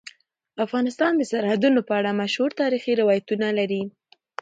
افغانستان د سرحدونه په اړه مشهور تاریخی روایتونه لري.